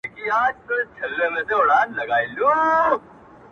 زما ساگاني مري ـ د ژوند د دې گلاب ـ وخت ته ـ